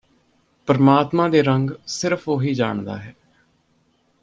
ਪਰਮਾਤਮਾ ਦੇ ਰੰਗ ਸਿਰਫ ਉਹੀ ਜਾਣਦਾ ਹੈ